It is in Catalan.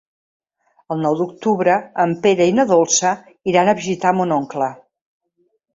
El nou d'octubre en Pere i na Dolça iran a visitar mon oncle.